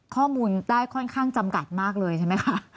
ข้อมูลได้ค่อนข้างจำกัดมากเลยใช่ไหมคะ